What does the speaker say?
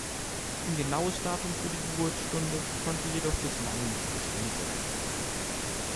Ein genaues Datum für die Geburtsstunde konnte jedoch bislang nicht bestimmt werden.